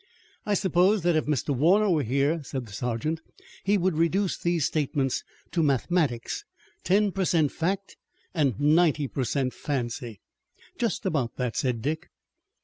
"I suppose that if Mr. Warner were here," said the sergeant, "he would reduce these statements to mathematics, ten per cent fact an' ninety per cent fancy." "Just about that," said Dick.